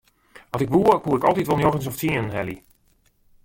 At ik woe koe ik wol altyd njoggens of tsienen helje.